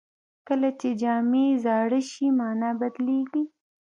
کله چې جامې زاړه شي، مانا بدلېږي.